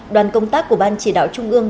đoàn công tác của ban chỉ đạo trung ương